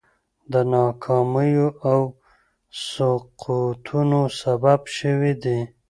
د ناکامیو او سقوطونو سبب شوي دي.